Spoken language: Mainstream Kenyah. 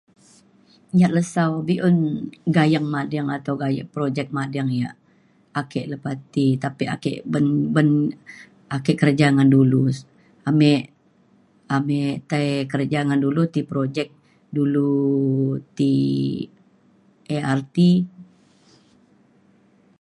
nyat lesau be'un gayeng mading atau gaye- projek mading ya' ake lepa ti. tapi ake ben ben ake kerja ngan dulu amik amik tai kerja ngan dulu ti projek dulu ti ART.